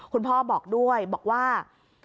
คุณพ่อบอกด้วยบอกว่า